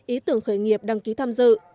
ý tưởng khởi nghiệp đăng ký tham dự